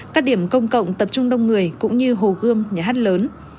các điểm công cộng tập trung đông người cũng như hồ gươm nhà hát lớn